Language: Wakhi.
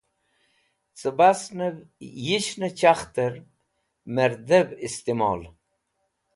Cẽbasnẽv yishnẽ chakhtẽr mẽrdev istimol.